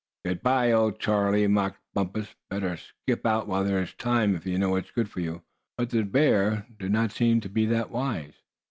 "Good bye, old Charlie!" mocked Bumpus. "Better skip out while there is time, if you know what's good for you." But the bear did not seem to be that wise.